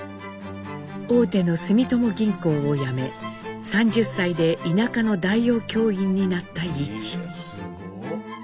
大手の住友銀行を辞め３０歳で田舎の代用教員になった一。